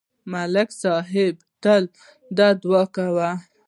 ملک صاحب تل دا دعا کوي.